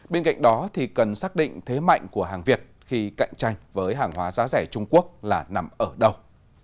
bên cạnh đó cần xác định thế mạnh của hàng việt khi cạnh tranh với hàng hóa giá rẻ trung quốc là nằm ở đâu